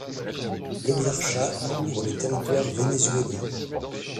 L'exarchat couvre le territoire vénézuélien.